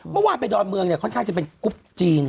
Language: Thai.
เมื่อวานไปดอนเมืองเนี่ยค่อนข้างจะเป็นกรุ๊ปจีน